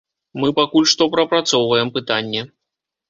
Мы пакуль што прапрацоўваем пытанне.